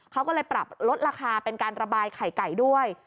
เขาก็เลยปรับลดราคาเป็นการระบายไข่ไก่ด้วย